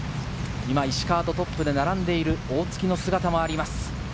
今、石川とトップで並んでいる大槻の姿もあります。